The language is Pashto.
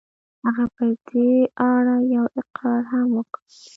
هغه په دې اړه يو اقرار هم وکړ.